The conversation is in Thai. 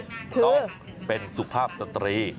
ต้องเป็นสุภาพสตรี